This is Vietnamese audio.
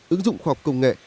ứng dụng khoa học công nghệ